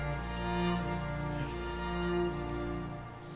うん。